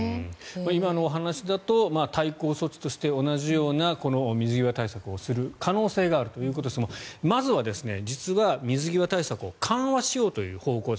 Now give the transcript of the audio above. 今のお話だと対抗措置として同じような水際対策をする可能性があるということですがまずは実は水際対策を緩和しようという方向性